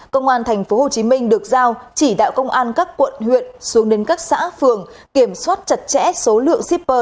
công an tp hcm được giao chỉ đạo công an các quận huyện xuống đến các xã phường kiểm soát chặt chẽ số lượng shipper